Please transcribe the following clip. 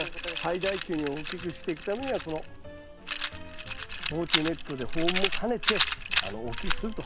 最大級に大きくしていくためにはこの防虫ネットで保温も兼ねて大きくすると。